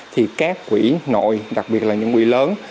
thì các quỹ nội đặc biệt là những quỹ lớn